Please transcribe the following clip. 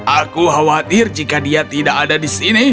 aku khawatir jika dia tidak ada di sini